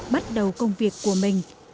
bắt đầu công việc của mình